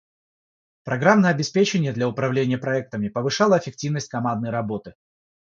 Программное обеспечение для управления проектами повышало эффективность командной работы.